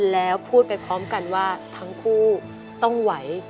แล้วพูดไปพร้อมกันว่าทั้งคู่ต้องไหว